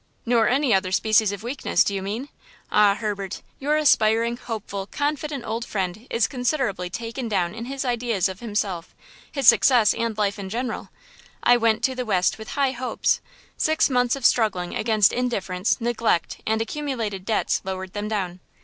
"Nor any other species of weakness, do you mean? Ah, Herbert, your aspiring hopeful, confident old friend is considerably taken down in his ideas of himself, his success and life in general! I went to the West with high hopes. Six months of struggling against indifference, neglect and accumulated debts lowered them down!